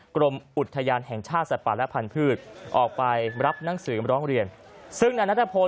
กรมอุทยานแห่งชาติสัตว์ป่าและพันธุ์ออกไปรับหนังสือร้องเรียนซึ่งนายนัทพล